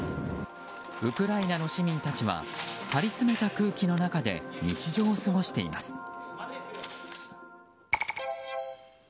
ウクライナの市民たちは張りつめた空気の中で日常を過ごしています。